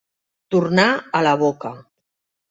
Tornar a la boca.